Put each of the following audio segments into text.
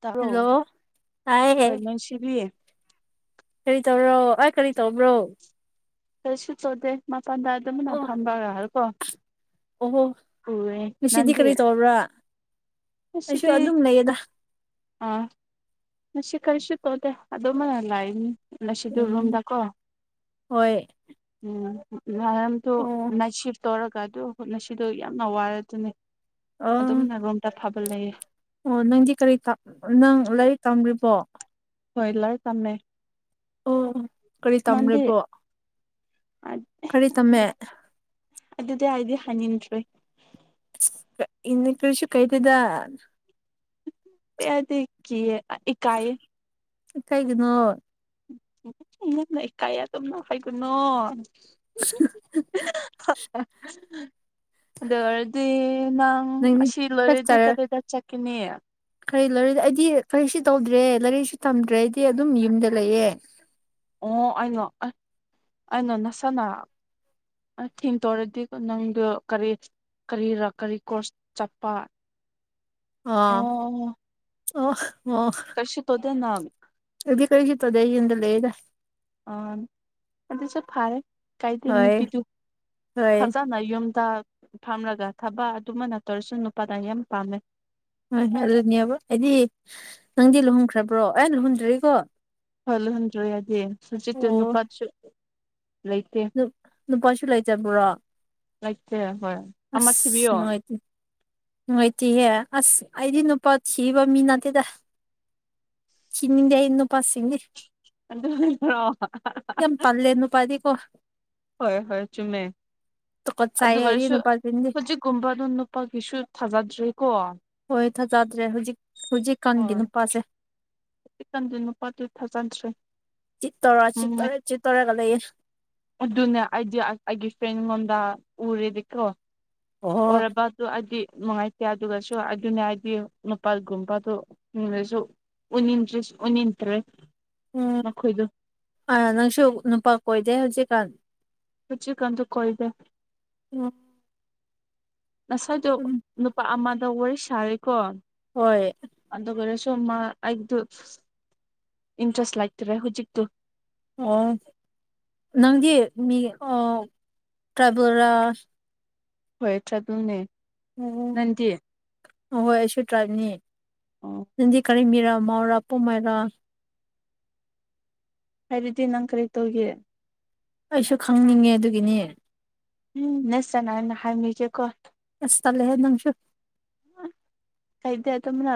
ꯇꯣꯔꯣ hello ꯇꯥꯏꯌꯦ ꯍꯣꯏ ꯅꯨꯡꯁꯤꯕꯤ ꯀꯔꯤ ꯇꯧꯔꯣ ꯑꯩ ꯀꯔꯤ ꯇꯧꯕ꯭ꯔꯣ ꯀꯔꯤꯁꯨ ꯇꯧꯗꯦ ꯃꯄꯥꯟꯗ ꯑꯣ [unintelligible] ꯑꯣꯍꯣ ꯎꯋꯦ ꯉꯁꯤꯗꯤ ꯅꯪꯗꯤ ꯀꯔꯤ ꯇꯧꯕ꯭ꯔꯥ ꯑꯩꯁꯨ ꯉꯁꯤꯗꯤ ꯑꯗꯨꯝ ꯂꯩꯌꯦꯗ ꯑꯥ ꯉꯁꯤ ꯀꯔꯤꯁꯨ ꯇꯧꯗꯦ ꯑꯗꯨꯃꯅ ꯂꯥꯛꯏꯅꯤ ꯉꯁꯤꯗꯨ ꯎꯝ ꯔꯨꯝꯗꯀꯣ ꯍꯣꯏ ꯎꯝ ꯑꯣ [unintelligible] ꯅꯥ ꯁꯤꯐ ꯇꯧꯔꯛꯒ ꯑꯗꯨ ꯈꯨꯠꯅꯁꯤꯗꯣ ꯌꯥꯝꯅ ꯋꯥꯔ ꯑꯗꯨꯅꯤ ꯑꯪ ꯑꯗꯨꯝꯅ ꯔꯣꯝꯗ ꯐꯕ ꯂꯩꯌꯦ ꯑꯣ ꯅꯪꯗꯤ ꯀꯔꯤ ꯇꯞ ꯑꯥ ꯅꯪ ꯂꯥꯏꯔꯤꯛ ꯇꯝꯔꯤꯕꯣ ꯍꯣꯏꯂꯔ ꯇꯝꯃꯦ ꯑꯣ ꯀꯔꯤ ꯃꯗꯤ ꯀꯥꯔꯤ ꯇꯝꯃꯦ ꯑꯗꯨꯗꯤ ꯑꯩꯗꯤ ꯍꯥꯏꯅꯤꯡꯗ꯭ꯔꯤ ꯏꯟꯅ ꯀ꯭ꯔꯤꯁꯨ ꯀꯥꯏꯗꯦꯗꯥ ꯑꯦꯑꯗꯤ ꯀꯤꯌꯦ ꯑꯥ ꯏꯀꯥꯏ ꯏꯀꯥꯏꯒꯅꯣ [unintelligible] ꯏꯀꯥꯌꯦ ꯑꯗꯨꯝꯅ ꯍꯥꯏꯒꯨꯅꯣ [unintelligible] ꯑꯗꯨꯑꯣꯏꯔꯗꯤ ꯅꯪ ꯅꯪꯗꯤ ꯆꯥꯛ ꯑꯁꯤꯂꯣꯢꯔꯥꯗꯤ ꯆꯥꯔ ꯀꯗꯥꯏꯗ ꯆꯠ ꯀꯤꯅꯦ ꯀꯔꯤ ꯂꯩꯔꯤ ꯑꯩꯗꯤ ꯀꯔꯤꯛꯁꯨ ꯇꯧꯗ꯭ꯔꯦ ꯂꯥꯏꯔꯤꯛꯁꯨ ꯇꯝꯗ꯭ꯔꯦꯗꯤ ꯑꯗꯨꯝ ꯌꯨꯝꯗ ꯂꯩꯌꯦ ꯑꯣ ꯑꯩꯅꯣ ꯑꯩ ꯑꯩꯅ ꯅꯁꯅ ꯑ ꯊꯦꯡꯇꯣꯔꯗꯤ ꯅꯪꯗꯣ ꯀꯔꯤ ꯀꯔꯤꯔ ꯀꯔꯤ ꯀꯣꯔꯁ ꯆꯠꯄ ꯑꯥ ꯑꯣ ꯑꯣ ꯉꯁꯤ [unintelligible] [unintelligible] ꯌꯨꯝꯗ ꯂꯩꯗ ꯑꯥ ꯑꯗꯨꯁꯨ ꯐꯩ ꯀꯥꯏꯗꯦ ꯍꯣꯏ ꯅꯨꯄꯤꯗꯨ ꯍꯣꯏ ꯐꯖꯅ ꯌꯨꯝꯗ ꯐꯝꯂꯒ ꯊꯕꯛ ꯑꯗꯨꯃ ꯅ ꯇꯧꯔꯁꯨ ꯅꯨꯄꯥꯅ ꯌꯥꯝ ꯄꯥꯝꯃꯦ ꯍꯣꯏ ꯑꯗꯨꯅꯦꯕ ꯑꯩꯗꯤ ꯅꯪꯗꯤ ꯂꯨꯍꫭꯡꯈ꯭ꯔꯕ꯭ꯔꯣ ꯑꯦ ꯂꯨꯍꯟꯗ꯭ꯔꯤꯌꯦꯀꯣ ꯐꯜꯂꯣ ꯍꯟꯗ꯭ꯔꯣ ꯌꯥꯗꯤ ꯁꯨꯖꯤ ꯇ ꯅꯨꯄꯥꯁꯨ ꯂꯩꯇꯦ ꯅꯨꯞ ꯅꯨꯄꯥꯁꯨ ꯂꯩꯇꯕ꯭ꯔꯣ ꯂꯩꯇꯦ ꯍꯣꯏ ꯑꯃ ꯊꯤꯕꯤꯌꯣ ꯅꯨꯡ ꯉꯥꯏꯇꯍꯦ ꯑꯁ ꯑꯩꯗꯤ ꯅꯨꯄꯥ ꯊꯤꯕ ꯃꯤ ꯅꯠꯇꯦꯗ ꯆꯤꯅꯤꯡꯗꯦ ꯑꯩ ꯅꯨꯄꯥ ꯁꯤꯡꯅꯤ ꯑꯗꯨꯗꯨꯔꯣ ꯇꯜꯂꯦ ꯅꯨꯄꯥꯗꯤꯀꯣ ꯍꯣꯏ ꯍꯣꯏ ꯆꯨꯝꯃꯦ ꯇꯨꯀꯠꯆꯩꯌꯦ ꯑꯩꯗꯤ ꯑꯗꯨꯑꯣꯏꯔꯁꯨ ꯅꯨꯄꯥꯁꯤꯡꯗꯤ ꯍꯧꯖꯤꯛꯀꯨꯝꯕ ꯑꯗꯨ ꯅꯨꯄꯥꯒꯤꯁꯨ ꯊꯥꯖꯗ꯭ꯔꯦꯀꯣ ꯍꯣꯏ ꯊꯥꯖꯗ꯭ꯔꯦ ꯍꯧꯖꯤꯛ ꯍꯧꯖꯤꯛꯀꯥꯟꯒꯤ ꯅꯨꯄꯥꯁꯦ ꯅꯪꯗꯤ ꯅꯨꯄꯥꯗꯨ ꯊꯥꯖꯗ꯭ꯔꯦ ꯆꯤꯠꯇꯣꯔ ꯎꯝ ꯆꯤꯠꯇꯣꯔꯦ ꯆꯤꯠꯇꯣꯔꯦꯒ ꯂꯩꯌꯦ ꯑꯗꯨꯅꯦ ꯑꯩꯗꯤ ꯑꯩꯒꯤ ꯐ꯭ꯔꯦꯟ ꯉꯣꯟꯗ ꯎꯔꯦꯕꯤꯀꯣ ꯑꯣ ꯎꯔꯕ ꯑꯗꯨ ꯑꯩꯗꯤ ꯅꯨꯡꯉꯥꯏꯇꯦ ꯑꯗꯨꯒꯁꯨ ꯑꯗꯨꯅꯦ ꯍꯥꯏꯗꯤ ꯂꯄꯥꯒꯨꯝꯕꯗ ꯑꯣꯏꯔꯁꯨ ꯎꯅꯤꯡꯗ꯭ꯔꯁꯨ ꯎꯅꯤꯡꯇ꯭ꯔꯦ ꯎꯝ ꯑ ꯅꯪꯁꯨ ꯅꯨꯄꯥ ꯀꯣꯏꯗꯦ ꯍꯧꯖꯤꯛꯀꯥꯟ ꯍꯧꯖꯤꯛ ꯀꯥꯟꯗꯣ ꯀꯣꯏꯗꯦ ꯎꯝ ꯉꯁꯥꯏꯗꯣ ꯎꯝ ꯅꯨꯄꯥ ꯑꯃꯗ ꯋꯥꯔꯤ ꯁꯥꯔꯦꯀꯣ ꯍꯣꯏ ꯑꯗꯨꯑꯣꯏꯔꯁꯨ ꯃꯥ ꯑꯩꯕꯗꯨ ꯏꯟꯇ꯭ꯔꯦꯁ ꯂꯩꯇꯔꯦ ꯍꯨꯖꯤꯛꯇꯨ ꯑꯣ ꯅꯪꯗꯤ ꯃꯤ ꯑꯣ ꯇ꯭ꯔꯥꯏꯕꯦꯔꯥ ꯍꯣꯏ ꯇ꯭ꯔꯥꯏꯕꯦꯜ ꯅꯦ ꯑꯣ ꯑꯍꯣꯏ ꯑꯩꯁꯨ ꯇ꯭ꯔꯥꯏꯞꯅꯤ ꯑꯣ ꯅꯪꯗꯤ ꯀꯔꯤ ꯃꯤꯔ ꯃꯥꯥꯎꯔ ꯄꯣꯝꯃꯩꯔ ꯍꯥꯏꯔꯗꯤ ꯅꯪ ꯀꯔꯤ ꯇꯧꯒꯤ ꯑꯩꯁꯨ ꯈꯪꯅꯤꯡꯉꯦ ꯑꯗꯨꯒꯤꯅꯦ ꯎꯝ ꯅꯁ ꯆꯅꯥꯅ ꯍꯪꯉꯤꯖꯦꯀꯣ ꯑꯁ ꯇꯜꯂꯦꯍꯦ ꯅꯪꯁꯨ ꯀꯩꯗ ꯑꯗꯨꯝꯅ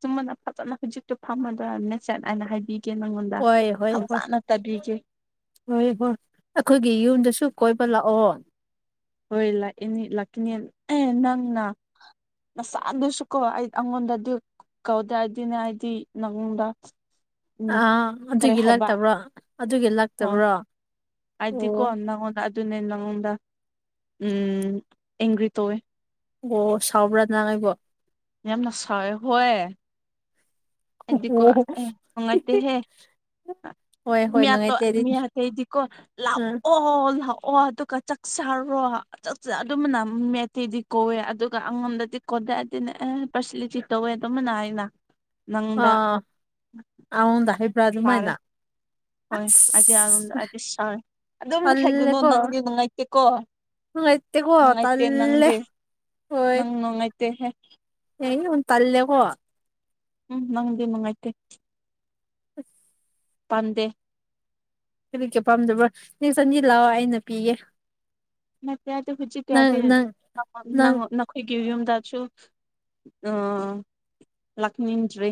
ꯆꯨꯝꯃꯅ ꯐꯖꯅ ꯍꯧꯖꯤꯛꯇꯣ ꯐꯝꯃꯗꯣꯏꯔ ꯅꯆꯠ ꯍꯥꯏꯅ ꯍꯥꯏꯕꯤ ꯀꯦ ꯅꯪꯉꯣꯟꯗ ꯍꯣꯏ ꯍꯣꯏ ꯍꯣꯏ ꯍꯧꯖꯅ ꯇꯥꯕꯤꯒꯦ ꯍꯣꯏ ꯍꯣꯏ ꯑꯩꯈꯣꯏꯒꯤ ꯌꯨꯝꯗꯁꯨ ꯀꯣꯏꯕ ꯂꯥꯛꯑꯣ ꯍꯣꯏ ꯂꯛ ꯏꯅꯤ ꯂꯥꯛꯀꯅꯦꯟ ꯑꯦ ꯅꯪꯅ ꯅꯁꯥꯟꯗꯨꯁꯨꯀꯣ ꯑꯩ ꯑꯉꯣꯟꯗ ꯗꯨ ꯀꯧꯗ‍꯭ꯔꯗꯤꯅꯦ ꯑꯩꯗꯤ ꯅꯪꯉꯣꯟꯗ ꯎꯝ ꯑꯥ ꯀꯔꯤ ꯑꯗꯨꯒꯤ ꯍꯥꯏꯕ ꯂꯛꯇꯕ꯭ꯔꯣ ꯑꯗꯨꯒꯤ ꯂꯥꯛ ꯍꯣꯏ ꯍꯥꯏꯗꯤꯀꯣ ꯅꯪꯉꯣꯟꯗ ꯑꯗꯨꯅꯦ ꯅꯪꯉꯣꯟꯗ ꯎꯝ ꯑꯦꯡꯒ꯭ꯔꯤ ꯇꯧꯋꯦ ꯑꯣ ꯁꯥꯎꯕ꯭ꯔꯥ ꯅꯪ ꯑꯩꯕꯨ ꯌꯥꯝꯅ ꯁꯥꯎꯌꯦ ꯍꯨꯛꯑꯦ ꯑꯩꯗꯤꯀꯣ ꯑꯣ ꯑꯦ ꯅꯨꯡꯉꯥꯏꯇꯦꯍꯦ ꯍꯣꯏ ꯍꯣꯏ ꯃꯤꯌꯥꯄ ꯅꯨꯡꯉꯥꯏꯇꯦ ꯑꯗꯨꯗꯤ ꯃꯤꯌꯥꯇꯦꯗꯤꯀꯣ ꯎꯝ ꯂꯥꯛꯑꯣ ꯑꯣ ꯂꯥꯛꯑꯣ ꯑꯗꯨꯒ ꯆꯥꯛ ꯆꯥꯔꯣ ꯆꯥꯛꯆꯥ ꯑꯗꯨꯃꯅ ꯃꯦꯠꯇꯦꯗꯤ ꯀꯧꯋꯦ ꯑꯗꯨꯒ ꯑꯉꯣꯝꯗꯗꯤ ꯀꯣꯗꯦ ꯑꯗꯤꯅꯦ ꯑꯦ ꯄꯁꯤꯂꯤꯇꯤ ꯇꯧꯋꯦ ꯑꯗꯨꯃꯅ ꯍꯥꯏꯅ ꯅꯪꯗ ꯑꯉꯣꯟꯗ ꯍꯩꯕ꯭ꯔꯥ ꯇꯥꯔꯦ ꯑꯗꯨꯃꯥꯏꯅ ꯍꯣꯏ ꯑꯗꯤꯌꯥ ꯔꯣꯝꯗ ꯑꯁ ꯑꯗꯤ ꯁꯥ ꯑꯗꯨꯝ ꯍꯥꯏꯒꯅꯣ ꯇꯜꯂꯦꯀꯣ ꯅꯪꯗꯤ ꯅꯨꯡꯉꯥꯏꯇꯦꯀꯣ ꯅꯨꯡꯉꯥꯏꯇꯦꯀꯣ ꯅꯨꯡꯉꯥꯏꯇꯦ ꯇꯜꯂꯦ ꯅꯪꯗꯦ ꯅꯪ ꯅꯨꯡꯉꯥꯏꯇꯦ ꯍꯦ ꯑꯦ ꯑꯣꯟ ꯇꯜꯂꯦꯀꯣ ꯎꯝ ꯃꯪꯗꯤ ꯅꯨꯡꯉꯥꯏꯇꯦ ꯄꯥꯟꯗꯦ ꯀꯔꯤꯀꯤ ꯄꯥꯝꯗꯕ꯭ꯔꯣ ꯅ ꯆꯅꯤ ꯂꯥꯛꯑꯣ ꯑꯩꯅ ꯄꯤꯒꯦ ꯅꯪ ꯅꯪ [unintelligible] ꯅꯪ ꯑꯩꯈꯣꯏꯒꯤ ꯌꯨꯝꯗꯁꯨ ꯂꯥꯛꯅꯤꯡꯗ꯭ꯔꯤ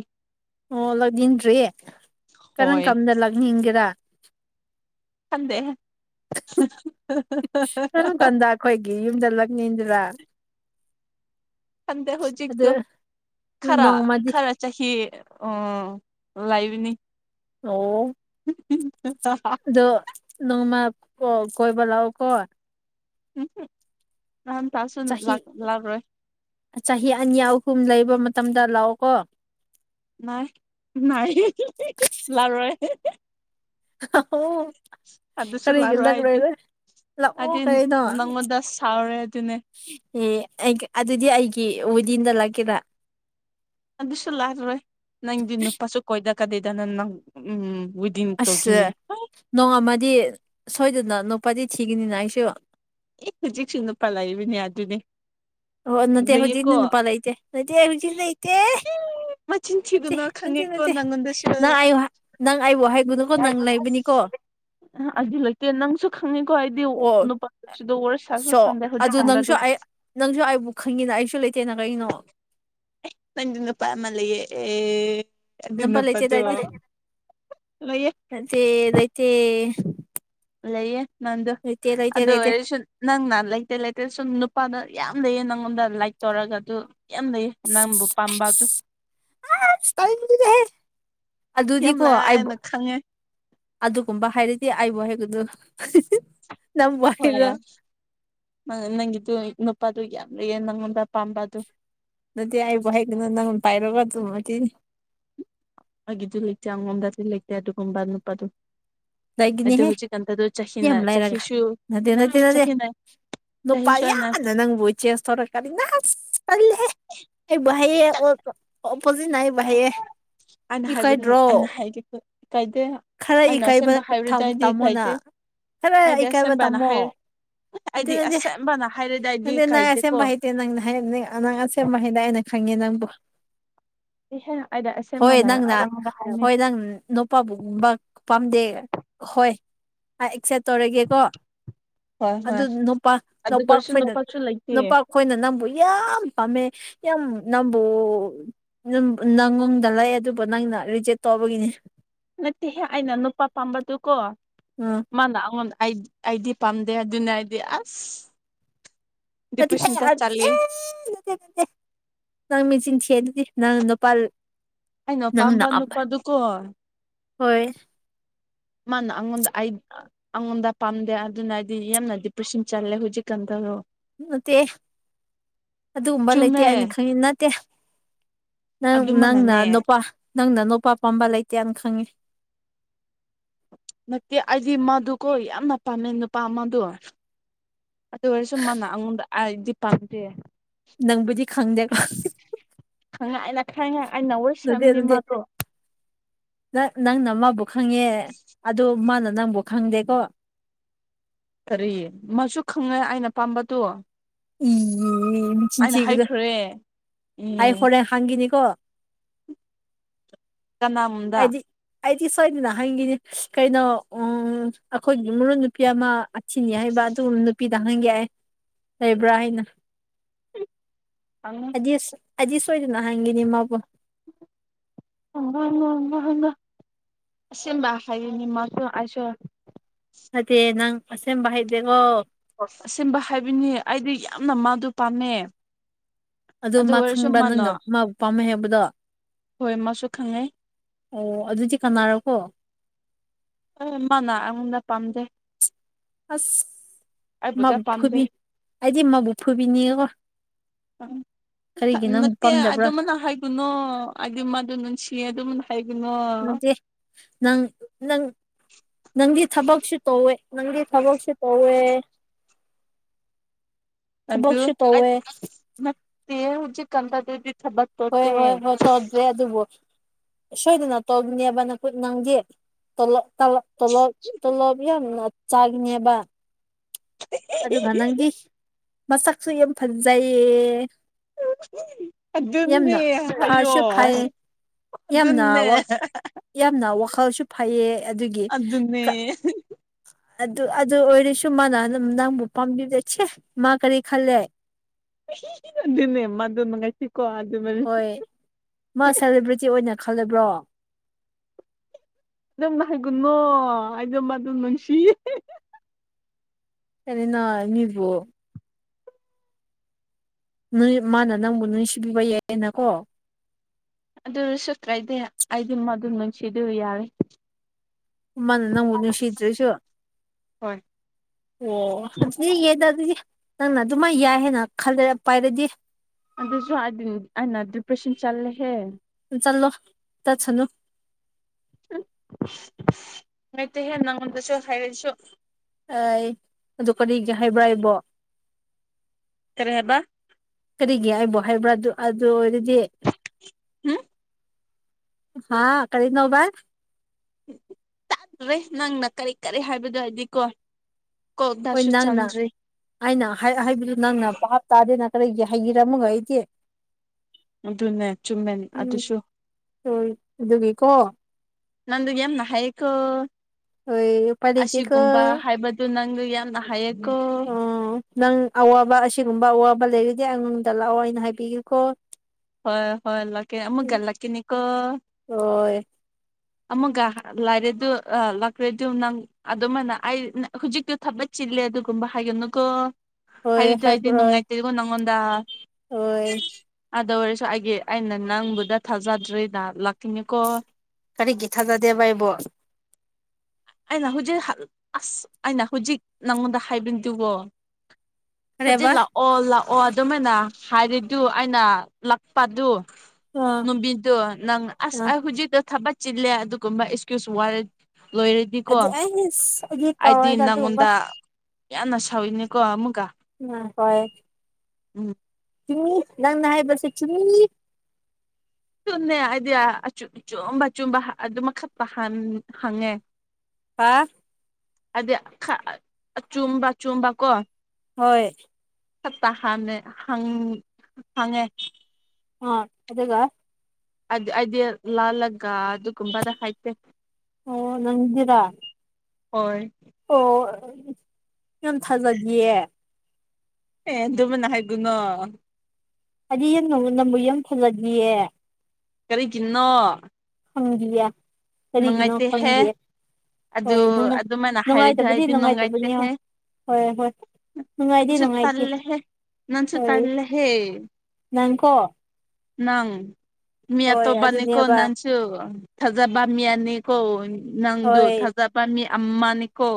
ꯑꯣ ꯂꯥꯛꯅꯤꯡꯗ꯭ꯔꯤ ꯀꯔꯝ ꯍꯣꯏ ꯀꯟꯗ ꯂꯥꯛꯅꯤꯡꯒꯦꯔꯥ ꯈꯠꯇꯦ [unintelligible] ꯀꯔꯝ ꯀꯥꯟꯗ ꯑꯩꯈꯣꯏꯒꯤ ꯌꯨꯝꯗ ꯂꯛꯅꯤꯡꯗꯔꯥ ꯈꯪꯗꯦ ꯍꯧꯖꯤꯛ ꯑꯗꯨ ꯈꯔ ꯅꯣꯡꯃꯗꯤ ꯈꯔ ꯆꯍꯤ ꯎ ꯂꯩꯕꯅꯤ ꯑꯣ [inaudible] ꯑꯗꯣ ꯅꯣꯡꯃ ꯀꯣꯏꯕ ꯂꯥꯛꯑꯣꯀꯣ ꯎꯝ ꯅꯍꯥꯟ ꯇꯥꯁꯨ ꯆꯍꯤ ꯂꯥꯛꯔꯣꯏ ꯆꯍꯤ ꯑꯅꯤ ꯑꯍꯨꯝ ꯂꯩꯕ ꯃꯇꯝꯗ ꯂꯥꯛꯑꯣ ꯀꯣ ꯅꯥꯏ ꯅꯥꯏ ꯂꯥꯔꯣꯏ [unintelligible] ꯑꯗꯨꯁꯨ ꯀꯔꯤꯒꯤ ꯂꯥꯛꯔꯣꯏ ꯑꯩꯗꯤ ꯂꯥꯛꯂꯔꯣꯏ ꯂꯥꯛꯑꯣ ꯑꯩꯗꯤ ꯀꯩꯅꯣ ꯅꯪꯉꯣꯟꯗ ꯁꯥꯎꯔꯦ ꯑꯗꯨꯅꯦ ꯑꯦ ꯑꯩ ꯑꯗꯨꯗꯤ ꯑꯩꯒꯤ ꯋꯦꯗꯤꯡꯗ ꯂꯥꯛꯀꯦꯔ ꯑꯗꯨꯁꯨ ꯂꯥꯛꯔꯣꯏ ꯅꯪꯗꯤ ꯅꯨꯄꯥꯁꯨ ꯀꯣꯏꯗ ꯀꯥꯔꯤꯗ ꯅꯪ ꯅꯪ ꯎꯝ ꯋꯤꯗꯤꯡ ꯑꯁ ꯇꯧꯈꯤꯅꯤ ꯅꯣꯡ ꯑꯃꯗꯤ ꯁꯣꯏꯗꯅ ꯅꯨꯄꯥꯗꯤ ꯊꯤꯒꯅꯤꯅ ꯑꯩꯁꯨ ꯏ ꯍꯧꯖꯤꯛꯁꯨ ꯅꯨꯄꯥ ꯂꯩꯔꯤꯅꯦ ꯑꯗꯨꯅꯦ ꯑꯣ ꯅꯠꯇꯦ ꯍꯧꯖꯤꯛ ꯂꯩꯌꯦꯀꯣ ꯅ ꯅꯨꯄꯥ ꯂꯩꯇꯦ ꯂꯩꯇꯦ ꯍꯧꯖꯤꯛ ꯂꯩꯇꯦ ꯃꯆꯤꯟ ꯅꯠꯇꯦ ꯊꯤꯒꯅꯨ ꯅꯠꯇꯦ ꯈꯪꯉꯦꯀꯣ ꯅꯠꯇꯦ ꯅꯪꯉꯣꯟꯗꯁꯨ ꯅꯪ ꯑꯩ ꯅꯪ ꯑꯩꯕꯨ ꯍꯥꯏꯕꯨꯅꯨꯀꯣ ꯅꯪ ꯂꯩꯕꯅꯤꯀꯣ ꯑꯩꯖꯨ ꯂꯩꯇꯦ ꯅꯪꯁꯨ ꯈꯪꯉꯤꯀꯣ ꯑꯩꯗꯤ ꯑꯣ ꯅꯨꯄꯥꯁꯨꯗ ꯋꯥꯔꯤ ꯁꯥꯁꯨ ꯁꯣ ꯁꯥꯟꯗꯦ ꯑꯗꯨ ꯍꯧꯖꯤꯛꯀꯥꯟꯗ ꯅꯪꯁꯨ ꯑꯗꯨꯝ ꯑꯩ ꯅꯪꯁꯨ ꯑꯩꯕꯨ ꯈꯪꯉꯤꯅ ꯑꯩꯁꯨ ꯂꯩꯇꯦꯅ ꯀꯔꯤꯅꯣ ꯅꯪꯗꯤ ꯅꯨꯄꯥ ꯑꯃ ꯂꯩꯌꯦ ꯑꯦ ꯑꯗꯨ ꯅꯝꯕꯔ ꯂꯩꯇꯦꯗ ꯅꯨꯄꯥꯗꯣ ꯑꯩꯗꯤ ꯂꯩꯌꯦ ꯅꯠꯇꯦ ꯂꯩꯇꯦ ꯂꯩꯌꯦ ꯅꯪꯗꯨ ꯂꯩꯇꯦ ꯂꯩꯇꯦ ꯑꯗꯨ ꯂꯩꯇꯦ ꯑꯣꯏꯔꯁꯨ ꯅꯪꯅ ꯂꯩꯇꯦ ꯂꯩꯇꯦ ꯁꯨꯝ ꯅꯨꯄꯥꯗ ꯌꯥꯝ ꯂꯩꯌꯦ ꯅꯪꯉꯣꯟꯗ ꯂꯥꯏꯛ ꯇꯧꯔꯒ ꯑꯗꯨ ꯌꯥꯝ ꯂꯩꯌꯦ ꯅꯪꯕꯨ ꯄꯥꯝꯕ ꯑꯗꯨ ꯇꯥꯅꯤꯡꯗꯦꯍꯦ ꯌꯥꯝ ꯑꯗꯨꯗꯤꯀꯣ ꯑꯩꯕꯨ ꯂꯥꯏꯅ ꯈꯪꯉꯦ ꯑꯗꯨꯒꯨꯝꯕ ꯍꯥꯏꯔꯗꯤ ꯑꯩꯕꯨ ꯍꯥꯏꯒꯅꯨ ꯅꯪꯕꯨ ꯍꯣꯏ ꯌꯥ ꯍꯥꯏꯔꯣ ꯅꯪꯒꯤꯗꯨ ꯅꯨꯄꯥꯗꯨ ꯌꯥꯝ ꯂꯩꯌꯦ ꯅꯪꯉꯣꯟꯗ ꯄꯥꯝꯕꯗꯨ ꯅꯠꯇꯦ ꯑꯩꯕꯨꯨ ꯍꯥꯏꯒꯅꯨ ꯅꯪꯅ ꯄꯥꯏꯔꯣꯒ ꯑꯗꯨꯃ [unintelligible] ꯂꯩꯇꯦ ꯑꯉꯣꯝꯗꯁꯨ ꯂꯩꯇꯦ ꯑꯗꯨꯒꯨꯝꯕ ꯅꯨꯄꯥꯗꯣ ꯑꯩꯗꯣ ꯂꯩꯒꯅꯤꯍꯦ ꯍꯧꯖꯤꯛ ꯉꯥꯟꯇꯗꯣ ꯆꯍꯤꯅ ꯆꯍꯤꯁꯨ ꯅꯠꯇꯦ ꯆꯍꯤꯅ ꯅꯨꯄꯥ ꯆꯍꯤꯁꯨ ꯑꯩꯅ ꯌꯥꯅ ꯅꯪꯕꯨꯏ [unintelligible] ꯑꯩꯅ ꯍꯥꯏꯕꯗꯤꯑꯩꯅ ꯍꯥꯏꯒꯦ ꯀꯥꯏꯗꯦ ꯈꯔ ꯑꯩꯅ ꯏꯀꯥꯏꯕ ꯑꯁꯦꯡꯕ ꯍꯥꯏꯔꯨꯗ꯭ꯋꯥꯏꯗꯤ ꯇꯝꯃꯣꯅ ꯀꯩꯗꯦ ꯈꯔ ꯍꯥꯏꯗꯤ ꯏꯀꯥꯏꯕ ꯑꯁꯦꯝꯕꯅ ꯇꯝꯃꯣ ꯍꯥꯏꯔꯦ ꯑꯩꯗꯤ ꯑꯁꯦꯝꯕꯅ ꯍꯥꯏꯔꯦꯗꯤ ꯑꯩꯗꯤ ꯀꯥꯏ ꯑꯁꯦꯝꯕ ꯍꯩꯇꯦ ꯅꯪꯅ ꯍꯥꯏ ꯅꯪ ꯑꯁꯦꯝꯕ ꯍꯩꯅ ꯑꯩꯅ ꯈꯪꯉꯦ ꯅꯪꯕꯨ ꯏꯍꯦ ꯑꯩꯗꯤ ꯍꯣꯏ ꯑꯁꯦꯡꯕꯅ ꯅꯪꯅ ꯅꯪꯉꯣꯟꯗ ꯍꯥꯏꯕꯅꯤ ꯍꯣꯏ ꯅꯣ ꯄꯥꯕꯒꯨꯝꯕ ꯄꯥꯝꯗꯦ ꯍꯣꯏ꯫ ꯑꯥ ꯑꯦꯛꯁꯦꯞ ꯇꯧꯔꯒꯦꯀꯣ ꯍꯣꯏ ꯑꯗꯨ ꯍꯣꯏ ꯅꯨꯄꯥ ꯑꯗꯨ ꯅꯨꯄꯥꯛ ꯑꯣꯏꯔꯁꯨ ꯈꯣꯏꯅ ꯅꯨꯄꯥꯁꯨ ꯂꯩꯇꯦ ꯅꯨꯄꯥꯛ ꯈꯣꯏꯅ ꯅꯪꯕꯨ ꯌꯥꯝ ꯄꯥꯝꯃꯦ ꯌꯥꯝ ꯅꯪꯕꯨ ꯑꯗꯨꯝ ꯅꯪꯉꯣꯡꯗ ꯂꯩ ꯑꯗꯨꯕꯨ ꯅꯪꯅ ꯔꯤꯖꯦꯛ ꯇꯧꯕꯒꯤꯅꯤ꯫ ꯅꯠꯇꯦꯍꯦ ꯑꯩꯅ ꯅꯨꯄꯥ ꯄꯥꯝꯕꯗꯨꯀꯣ꯫ ꯑ꯫ ꯃꯥꯅ ꯑꯩꯉꯣꯟ ꯑꯩ ꯑꯩꯗꯤ ꯄꯥꯝꯗꯦ ꯑꯗꯨꯅ ꯑꯩꯗꯤ ꯑꯁ꯫ ꯅꯠꯇꯦ ꯑꯥ ꯗꯤꯄ꯭ꯔꯦꯁꯟꯗ ꯆꯠꯂꯦ ꯑꯦ ꯅꯠꯇꯦ ꯅꯠꯇꯦ ꯅꯪ ꯃꯆꯤꯟ ꯊꯤꯌꯦ ꯑꯗꯨꯗꯤ ꯅꯪ ꯅꯣꯄꯥ ꯑꯩꯅ ꯅꯪꯅ ꯄꯥꯝꯕ [unintelligible] ꯅꯨꯄꯥꯗꯨꯀꯣ ꯍꯣꯏ꯫ ꯃꯥꯅ ꯑꯉꯣꯟꯗ ꯑꯩ ꯑꯩꯉꯣꯟꯗ ꯄꯥꯝꯗꯦ ꯑꯗꯨꯅ ꯑꯩꯗꯤ ꯌꯥꯝꯅ ꯗꯤꯄ꯭ꯔꯦꯁꯤꯡ ꯆꯠꯂꯦ ꯍꯧꯖꯤꯛꯀꯥꯟꯗꯣ꯫ ꯅꯠꯇꯦ ꯑꯗꯨꯒꯨꯝꯕ ꯂꯩꯇꯦ ꯆꯨꯝꯃꯦ ꯑꯩꯅ ꯈꯪꯉꯤ ꯅꯠꯇꯦ꯫ ꯅꯪ ꯅꯪꯅ ꯑꯗꯨꯃꯅꯅꯦ ꯅꯨꯄꯥ ꯅꯪꯅ ꯅꯨꯄꯥ ꯄꯥꯝꯕ ꯂꯩꯇꯦ ꯑꯪ ꯈꯪꯉꯦ꯫ ꯅꯠꯇꯦ ꯑꯩꯗꯤ ꯃꯥꯗꯨꯀꯣ ꯌꯥꯝꯅ ꯄꯥꯝꯃꯦ ꯅꯨꯄꯥ ꯑꯃꯗꯣ꯫ ꯑꯗꯨ ꯑꯣꯏꯔꯁꯨ ꯃꯥꯅ ꯑꯉꯣꯟꯗ ꯑꯩꯗꯤ ꯄꯥꯝꯗꯦ꯫ ꯅꯪꯕꯨꯗꯤ ꯈꯪꯗꯦ꯫ [unintelligible] ꯑꯩꯅ ꯈꯪꯉꯦ ꯑꯩꯅ [unintelligible] ꯁꯦꯝꯅꯤ ꯃꯥꯗꯣ꯫ ꯅ-ꯅꯪꯅ ꯃꯥꯕꯨ ꯈꯪꯉꯦ ꯑꯗꯨ ꯃꯥꯅ ꯅꯪꯕꯨ ꯈꯪꯗꯦꯀꯣ꯫ ꯀꯔꯤ ꯃꯥꯁꯨ ꯈꯪꯉꯦ ꯑꯩꯅ ꯄꯥꯝꯕꯗꯨ꯫ ꯏ ꯃꯆꯤꯟ ꯊꯤꯒꯗ ꯍꯥꯏꯈ꯭ꯔꯦ ꯑꯩ ꯎꯝ ꯍꯣꯔꯦꯟ ꯍꯪꯈꯤꯅꯤꯀꯣ꯫ ꯀꯅꯥ ꯑꯩꯗꯤ ꯑꯩꯗꯤ ꯁꯣꯏꯗꯅ ꯍꯪꯒꯤꯅꯤ ꯀꯩꯅꯣ ꯎ ꯑꯩꯈꯣꯏꯒꯤ ꯃꯔꯣꯟ ꯅꯨꯄꯤ ꯑꯃ ꯑꯊꯤ ꯍꯥꯏꯕ ꯑꯗꯨ ꯅꯨꯄꯤꯗ ꯍꯪꯒꯦ ꯂꯩꯕ꯭ꯔꯥ ꯍꯥꯏꯅ꯫ ꯍꯪꯉꯨ꯫ ꯑꯩꯗꯤꯁ ꯑꯩꯗꯤ ꯁꯣꯏꯗꯅ ꯍꯪꯒꯤꯅꯤ ꯃꯥꯕꯨ꯫ [unintelligible] ꯑꯁꯦꯝꯕ ꯍꯥꯏꯒꯅꯤ ꯃꯥꯁꯨ ꯑꯩꯁꯨ꯫ ꯅꯠꯇꯦ ꯅꯪ ꯑꯁꯦꯝꯕ ꯍꯥꯏꯗꯦꯀꯣ꯫ ꯑꯁꯦꯝꯕ ꯍꯥꯏꯕꯅꯤ ꯑꯩꯗꯤ ꯌꯥꯝꯅ ꯃꯥꯗꯨ ꯄꯥꯝꯃꯦ꯫ ꯑꯗꯨ ꯃꯥ ꯑꯣꯏꯔꯁꯨ ꯈꯪꯕ꯭ꯔꯥ ꯃꯥꯅ ꯅꯪꯅ ꯃꯥꯕꯨ ꯄꯥꯝꯃꯦ ꯍꯥꯏꯕꯗꯣ꯫ ꯍꯣꯏ ꯃꯥꯁꯨ ꯈꯪꯉꯦ꯫ ꯑꯣ ꯑꯗꯨꯗꯤ ꯀꯅꯥꯔꯀꯣ꯫ ꯑꯣ ꯃꯥꯅꯥ ꯑꯩꯉꯣꯟꯗ ꯄꯥꯝꯗꯦ꯫ ꯑꯁ ꯑꯩꯕꯨꯗ ꯃꯥꯕꯨ ꯄꯥꯝꯗꯦ ꯐꯨꯕꯤ ꯑꯩꯗꯤ ꯃꯥꯕꯨ ꯐꯕꯤꯅꯤꯉꯦꯀꯣ꯫ [unintelligible] ꯍ ꯅꯠꯇꯦ ꯄꯥꯝꯗꯕ꯭ꯔꯥ ꯑꯗꯨꯃꯥꯏꯅ ꯍꯥꯏꯒꯅꯣ ꯑꯩꯗꯤ ꯃꯗꯨ ꯅꯨꯡꯁꯤꯌꯦ ꯑꯗꯨꯃꯥꯏꯅ ꯍꯥꯏꯒꯅꯣ꯫ ꯅꯠꯇꯦ ꯅꯪ ꯅꯪ ꯅꯪꯗꯤ ꯊꯕꯛꯁꯨ ꯇꯧꯋꯦ ꯅꯪꯗꯤ ꯊꯕꯛꯁꯨ ꯇꯧꯋꯦ꯫ ꯑꯗꯨ ꯊꯕꯛꯁꯨ ꯑꯠ ꯇꯧꯋꯦ ꯅꯠꯇꯦ ꯍꯨꯖꯤꯀꯥꯟꯗ [unintelligible] ꯍꯣꯏ ꯍꯣꯏ ꯍꯣꯏ ꯇꯧꯗ꯭ꯔꯦ ꯑꯗꯨꯕꯨ ꯁꯣꯏꯗꯅ ꯇꯧꯒꯅꯦꯕ ꯅꯀꯨꯠ ꯅꯪꯗꯤ꯫ ꯇꯣꯂꯣ ꯇꯂꯣ ꯇꯣꯂꯣ ꯇꯣꯂꯣꯕ ꯌꯥꯝ ꯆꯥꯒꯅꯦꯕ꯫ ꯑꯗꯨꯒ ꯅꯪꯗꯤ ꯃꯁꯛꯁꯨ ꯌꯥꯝ ꯐꯖꯩꯌꯦ꯫ ꯌꯥꯝꯅ ꯐꯁꯨ ꯐꯩꯌꯦ [unintelligible] ꯌꯥꯝꯅ ꯋꯥ ꯑꯗꯨꯅꯦ ꯌꯥꯝꯅ ꯋꯥꯈꯜꯁꯨ ꯐꯩꯌꯦ ꯑꯗꯨꯒꯤ ꯑꯗꯨꯅꯦ ꯑꯗꯨ ꯑꯗꯨ ꯑꯣꯏꯔꯁꯨ ꯃꯥꯅ ꯅꯪꯕꯨ ꯄꯥꯝꯕꯤꯗ‌ꯦ ꯁꯦ ꯃꯥ ꯀꯔꯤ ꯈꯜꯂꯦ ꯅꯦ [unintelligible] ꯃꯗꯨ ꯃꯪꯒꯥꯏꯁꯤ [unintelligible] ꯀꯣ ꯑꯗꯨ ꯍꯣꯏ ꯃꯥ ꯁꯦꯂꯦꯕ꯭ꯔꯤꯇꯤ ꯑꯣꯏꯅ ꯈꯜꯂꯕ꯭ꯔꯣ ꯑꯗꯨꯝꯅꯥ ꯍꯥꯏꯒꯥꯅꯣ ꯑꯩꯗꯣ ꯃꯗꯨ ꯅꯨꯡꯁꯤ ꯁꯔꯤꯅ [unintelligible] ꯑꯅꯤꯕꯨ ꯅꯣꯏ ꯃꯥꯅ ꯅꯪꯕꯨ ꯅꯨꯡꯁꯤꯕꯤꯕ ꯌꯥꯏꯌꯦꯅꯀꯣ ꯑꯗꯨ ꯑꫭꯏꯔꯁꯨ ꯀꯥꯏꯗꯦ ꯑꯩꯗꯤ ꯃꯗꯨ ꯅꯨꯡꯁꯤꯗꯨ ꯌꯥꯔꯦ ꯃꯅꯥ ꯅꯪꯕꯨ ꯅꯨꯡꯁꯤꯗ꯭ꯔꯥꯁꯨ ꯍꯣꯏ ꯑꯣ ꯑꯗꯨꯗꯤ ꯌꯦꯗ [unintelligible] ꯑꯗꯨꯗꯤ ꯅꯪꯅ ꯑꯗꯨꯃꯥꯏꯅꯥ ꯌꯥꯏ ꯍꯥꯏꯅ ꯈꯜꯂ ꯄꯥꯏꯔꯗꯤ ꯑꯗꯨꯁꯨ ꯍꯥꯏꯗꯤ ꯑꯩꯅ ꯗꯤꯄ꯭ꯔꯦꯁꯟ ꯆꯜꯂꯦꯍꯦ ꯆꯜꯂꯣ ꯆꯠꯁꯅꯨ ꯎꯝ ꯅꯨꯉꯥꯏꯇ‌ꯦꯍ‌ꯦ ꯅꯪꯉꯣꯟꯗꯁꯨ ꯍꯥꯏꯔꯁꯨ ꯑꯥꯏ ꯑꯗꯨ ꯀꯔꯤꯒꯤ ꯍꯥꯏꯕ꯭ꯔꯥ ꯑꯩꯕꫭ ꯀꯔꯤ ꯍꯥꯏꯕ ꯀꯔꯤꯒꯤ ꯑꯩꯕꯨ ꯍꯥꯏꯕ꯭ꯔꯥ ꯑꯗꯨ ꯑꯗꯨ ꯑꯣꯏꯔꯗꯤ ꯎꯝ ꯍꯥ ꯀꯔꯤꯅꯣꯕ [unintelligible] ꯅꯪꯅꯥ ꯀꯔꯤ ꯀꯔꯤ ꯍꯥꯏꯕꯗꯨ ꯍꯥꯏꯗꯤꯀꯣ ꯍꯣꯏ ꯅꯪꯅ ꯑꯩꯅ ꯍꯥꯏꯕꯗꯨ ꯅꯪꯅ ꯚꯥꯞ ꯇꯥꯗꯦꯅ ꯀꯔꯤꯒꯤ ꯍꯥꯏꯕꯤꯔꯝꯃꯒ ꯑꯩꯗꯤ ꯑꯗꯨꯅꯦ ꯆꯨꯝꯃꯦꯟ ꯎꯝ ꯑꯗꯨꯁꯨ ꯍꯣꯏ ꯑꯗꯨꯒꯤꯀꯣ ꯅꯪꯗꯨ ꯌꯥꯝꯅ ꯍꯥꯏꯌꯦꯀꫭ ꯍꯣꯏ ꯎꯄꯥꯏ ꯂꯩꯇꯦꯀꯣ ꯑꯁꯤꯒꯨꯝꯕ ꯍꯥꯏꯕ ꯇꯨ ꯅꯪꯗꯨ ꯌꯥꯝꯅ ꯍꯥꯏꯌꯦꯀꯣ ꯑꯣ ꯅꯪ ꯑꯋꯥꯕ ꯑꯁꯤꯒꯨꯝꯕ ꯑꯋꯥꯕ ꯂꯩꯔꯗꯤ ꯑꯩꯉꯣꯟꯗ ꯂꯥꯛꯑꯣ ꯑꯩꯅ ꯍꯥꯏꯕꯤꯒ‌ꯦꯀꯣ ꯍꯣꯏ ꯍꯣꯏ ꯂꯥꯛꯀꯦ ꯑꯃꯨꯛꯀ ꯂꯥꯛꯀ‌‌ꯦꯅꯤꯀꯣ ꯍꯣꯏ ꯑꯃꯨꯛꯒꯥ ꯂꯥꯏꯔꯦ ꯑꯗꯨ ꯑꯥ ꯂꯥꯛꯈ꯭ꯔꯦ ꯑꯗꯨ ꯅꯪ ꯑꯗꯨꯃꯥꯏꯅ ꯑꯩ ꯍꯧꯖꯤꯛꯇꯨ ꯊꯕꯛ ꯆꯤꯜꯂꯦ ꯑꯗꯨꯒꯨꯝꯕ ꯍꯥꯏꯒꯅꯨꯀꯣ ꯍꯣꯏ ꯍꯥꯏꯔꯗꯤ ꯑꯩꯗꯤ ꯍꯥꯏꯔꯛꯔꯣꯏ ꯅꯨꯡꯉꯥꯏꯇ꯭ꯔꯤꯀꫭ ꯅꯪꯉꯣꯟꯗ ꯍꯣꯏ ꯑꯗꯨ ꯑꯣꯏꯔꯁꯨ ꯑꯩꯒꯤ ꯑꯩꯅ ꯅꯪꯕꯨꯗ ꯊꯥꯖꯗ꯭ꯔꯤꯗꯥ ꯂꯥꯛꯀꯅꯤꯀꯣ ꯀꯔꯤꯒꯤ ꯊꯥꯖꯗꯦꯕꯥ ꯑꯩꯕꯨ ꯑꯩꯅ ꯍꯧꯖꯤꯛ ꯑꯁ ꯑꯩꯅ ꯍꯧꯖꯤꯛ ꯅꯪꯉꯣꯟꯗ ꯍꯥꯏꯕꯗꯨꯀꫭ ꯀꯔꯦꯕ ꯍꯧꯖꯤꯛ ꯂꯥꯛ ꯑꯣ ꯂꯥꯛꯑꯣ ꯑꯗꯨꯃꯥꯏꯅ ꯍꯥꯏꯔꯤꯗꯨ ꯑꯩꯅ ꯂꯥꯛꯄꯗꯨ ꯑꯥ ꯅꯨꯡꯕꯤꯗꯨ ꯅꯪ ꯑꯁ ꯑꯥ ꯑꯩ ꯍꯨꯖꯤꯛꯗ ꯊꯕꯛ ꯆꯤꯜꯂꯦ ꯑꯗꯨꯒꯨꯝꯕ ꯑꯦꯛꯁꯀ꯭ꯌꯨꯁ ꯋꯥꯔ ꯂꯣꯏꯔꯦ ꯗꯤꯀꯣ ꯑꯗꯨ ꯑꯩ ꯑꯩꯗꯤ ꯑꯩꯗꯤ ꯇꯧꯔꯣꯏꯗ ꯑꯗꯨꯒꯨꯝꯕ ꯅꯪꯉꯣꯟꯗ ꯌꯥꯝꯅ ꯁꯧꯏꯅꯦꯀꯣ ꯑꯃꯨꯛꯀꯥ ꯎꯝ ꯍꯣꯏ ꯎꯝ ꯆꯨꯝꯃꯤ ꯅꯪꯅ ꯍꯥꯏꯕꯁꯦ ꯆꯨꯝꯃꯤ ꯑꯗꯨꯅꯦ ꯑꯩꯗꯤ ꯑꯆꯨꯝꯕ ꯑꯆꯨꯝꯕ ꯑꯗꯨꯃ ꯈꯠꯇꯥ ꯍꯪꯉꯦ ꯍꯥꯥ ꯍꯥꯏꯗꯤ ꯑꯆꯨꯝꯕ ꯆꯨꯝꯕ ꯀꯣ ꯍꯣꯏ ꯆꯞꯇꯥ ꯍꯥꯟꯃꯦ ꯍꯪꯉꯦ ꯑ ꯑꯗꯨꯒ ꯍꯥꯏꯗꯤ ꯑꯩꯗꯤ ꯂꯥꯜꯂꯒ ꯑꯗꯨꯒꯨꯝꯕꯗ ꯍꯥꯏꯇꯦ ꯑꯣ ꯅꯪꯒꯤꯔꯥ ꯍꯣꯏ ꯑꯣ ꯌꯥꯝ ꯊꯥꯖꯗꯤꯌꯦ꯫ ꯑꯦ ꯑꯗꯨꯃꯅ ꯍꯥꯏꯒꯨꯅꯣ꯫ [unintelligible] ꯀꯔꯤꯒꯤꯅꯣ? ꯈꯪꯗꯤꯌꯦ ꯀꯔꯤꯒꯤꯅꯣ ꯅꯨꯡꯉꯥꯏꯇꯦꯍꯦ ꯈꯪꯗꯤ ꯑꯗꯨ ꯍꯣꯏ ꯅꯨꯉꯥꯏ ꯑꯗꯨꯃꯥꯏꯅ ꯍꯥꯏꯔꯗꯤ ꯅꯨꯡꯉꯥꯏꯇꯕꯗꯤ ꯑꯩꯗꯤ ꯅꯨꯡꯉꯥꯏꯇꯕꯅꯤ ꯅꯨꯡꯉꯥꯏꯇꯦꯍꯦ ꯍꯣꯏ꯫ ꯍꯣꯏ ꯍꯣꯏ ꯅꯨꯡꯉꯥꯏꯗꯤ ꯅꯪꯁꯨ ꯅꯨꯡꯉꯥꯏꯇꯦ ꯇꯜꯂꯦꯍꯦ ꯅꯪꯁꯨ ꯍꯣꯏ꯫ ꯇꯜꯂꯦꯍꯦ ꯅꯪꯀꯣ ꯅꯪ ꯃꯤ ꯍꯣꯏ ꯑꯠꯇꯣꯕꯅꯤ ꯀꯣ ꯑꯗꯨꯅꯦꯕ ꯅꯟꯁ ꯊꯥꯖꯕꯃꯤ ꯑꯅꯤꯀꯣ ꯅꯪꯗꯣ ꯍꯣꯏ ꯊꯥꯖꯕꯃꯤ ꯑꯃꯅꯤꯀꯣ꯫